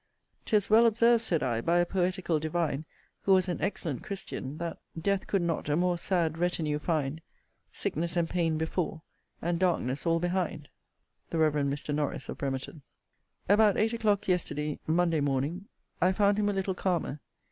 'Tis well observed, said I, by a poetical divine, who was an excellent christian,* That Death could not a more sad retinue find, Sickness and pain before, and darkness all behind. * The Rev Mr. Norris, of Bremerton. About eight o'clock yesterday (Monday) morning, I found him a little calmer.